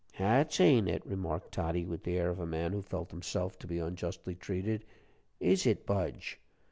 "That's ain't it," remarked Toddie, with the air of a man who felt himself to be unjustly treated. "Is it, Budge?"